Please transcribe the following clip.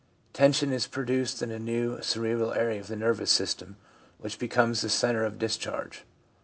Tension is produced in a new (cerebral) area of the nervous system, which becomes the centre of discharge.